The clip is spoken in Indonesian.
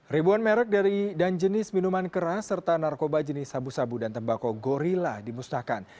ribuan merek dan jenis minuman keras serta narkoba jenis sabu sabu dan tembakau gorilla dimusnahkan